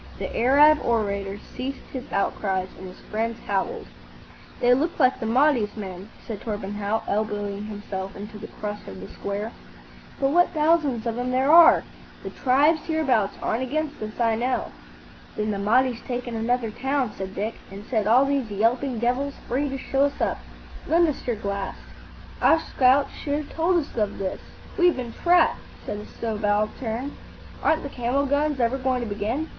The Arab orator ceased his outcries, and his friends howled. "They look like the Mahdi's men," said Torpenhow, elbowing himself into the crush of the square; "but what thousands of 'em there are! The tribes hereabout aren't against us, I know." "Then the Mahdi's taken another town," said Dick, "and set all these yelping devils free to show us up. Lend us your glass." "Our scouts should have told us of this. We've been trapped," said a subaltern. "Aren't the camel guns ever going to begin?